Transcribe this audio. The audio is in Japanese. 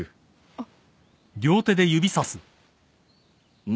あっ。